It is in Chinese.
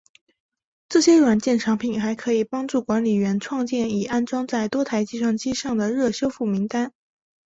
这些软件产品还可帮助管理员创建已安装在多台计算机上的热修复名单。